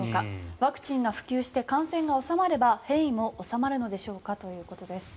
ワクチンが普及して感染が収まれば変異も収まるのでしょうか？ということです。